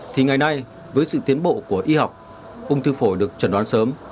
thì ngày nay với sự tiến bộ của y học ung thư phổi được chẩn đoán sớm